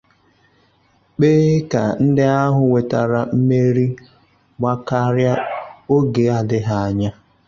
kpee ka ndị ahụ nwetara mmerụahụ gbakere oge adịghị anya.